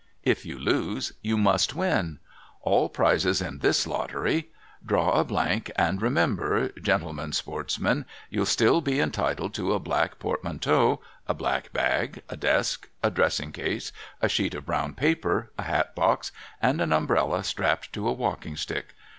If you lose, you must win ! All prizes in this Lottery ! Draw a blank, and remember, Gentlemen Sportsmen, you'll still be entitled to a black portmanteau, a black bag, a desk, a dressing case, a sheet of brown paper, a hat box, and an umbrella strapped to a walking stick